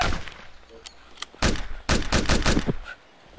Ulac ccek.